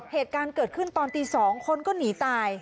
เหตุการณ์เกิดขึ้นตอนตี๒คนก็หนีตาย